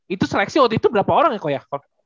itu seleksi waktu itu berapa orang ya kok ya